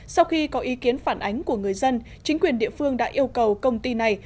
sau khi có ý kiến phản ánh của người dân chính quyền địa phương đã yêu cầu công ty này